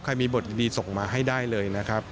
มีบทดีส่งมาให้ได้เลยนะครับ